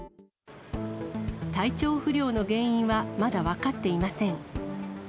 体調不良の原因はまだ分かっていません。